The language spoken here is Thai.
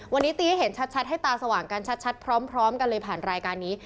วันนี้ตีให้เห็นชัดให้ตาสว่างกันชัดพร้อมกันเลยผ่านรายการนี้